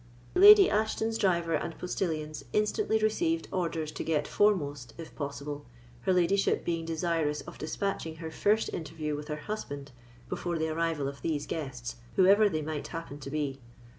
Lady Ashton's driver and postilions instantly received orders to get foremost, if possible, her ladyship being desirous of despatching her first interview with her husband before the arrival of these guests, whoever they might happen to be.